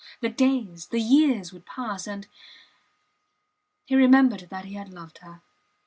The days, the years would pass, and ... He remembered that he had loved her.